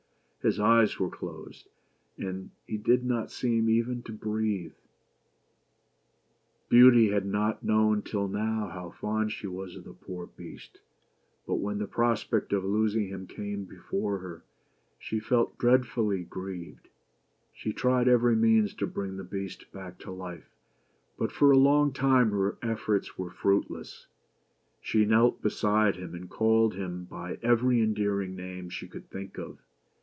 His eyes were closed, and he did not seem even to breathe. 101 BEAUTY AND THE BEAST. Beauty had never known till now how fond she was of the poor Beast, but when the prospect of losing him came before her, she felt dreadfully grieved. She tried every means to bring the Beast back to life, but for a long time her efforts were fruitless. She knelt beside him, and called him by every endearing name she could think of.